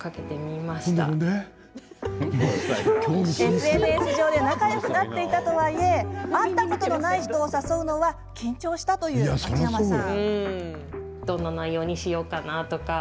ＳＮＳ上で仲よくなっていたとはいえ会ったことのない人を誘うのは緊張したという秋山さん。